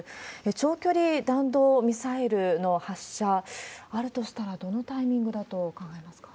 長距離弾道ミサイルの発射、あるとしたらどのタイミングだと考えますか？